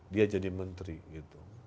dia jadi menteri gitu